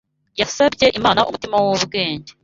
Yasabye Imana umutima w’ubwenge